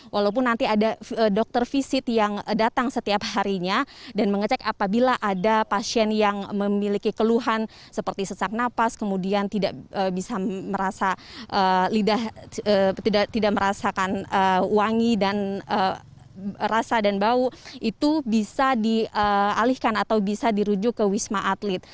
walaupun nanti ada dokter visit yang datang setiap harinya dan mengecek apabila ada pasien yang memiliki keluhan seperti sesak napas kemudian tidak bisa merasa tidak merasakan wangi dan rasa dan bau itu bisa dialihkan atau bisa dirujuk ke wisma atlet